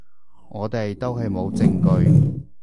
我哋都係冇證據